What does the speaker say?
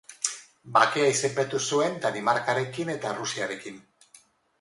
Bakea izenpetu zuen Danimarkarekin eta Errusiarekin.